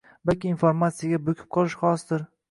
balki informatsiyaga bo‘kib qolish xosroq.